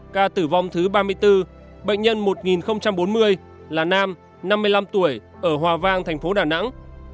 ca tử vong thứ ba mươi bốn bệnh nhân một nghìn bốn mươi là nam năm mươi năm tuổi ở hòa vang thành phố đà nẵng